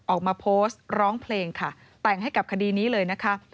ออกมาโพสต์ร้องเพลงค่ะแต่งให้กับคดีนี้เลยนะคะ